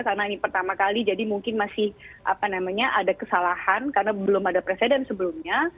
karena ini pertama kali jadi mungkin masih apa namanya ada kesalahan karena belum ada presiden sebelumnya